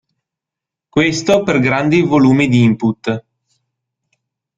Questo per grandi volumi di input.